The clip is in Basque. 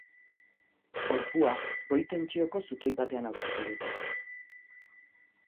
Gorpua goi-tentsioko zutoi batean aurkitu dute.